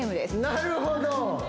なるほど。